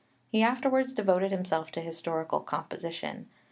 He afterwards devoted himself to historical composition.